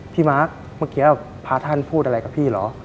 มาร์คเมื่อกี้พระท่านพูดอะไรกับพี่เหรอ